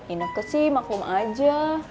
ini ke sih maklum aja